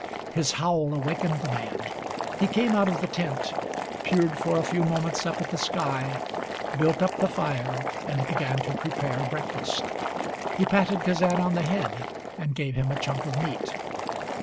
His howl awakened the man. He came out of the tent, peered for a few moments up at the sky, built up the fire, and began to prepare breakfast. He patted Kazan on the head, and gave him a chunk of meat.